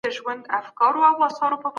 پخوا دولت په توليد کې برخه نه اخيسته.